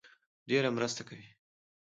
ډېره مرسته کوي